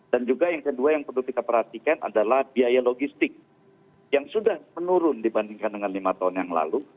dan juga yang kedua yang perlu kita perhatikan adalah biaya logistik yang sudah menurun dibandingkan dengan lima tahun yang lalu